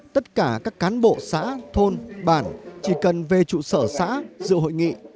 tất cả các cán bộ xã thôn bản chỉ cần về trụ sở xã dự hội nghị